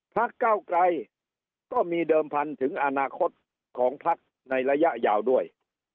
พักเก้าไกรก็มีเดิมพันธุ์ถึงอนาคตของพักในระยะยาวด้วย